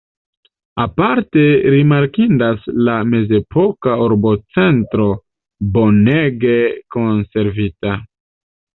Aparte rimarkindas la mezepoka urbocentro bonege konservita.